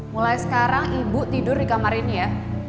mulai sekarang ibu tidur di kamar ini ya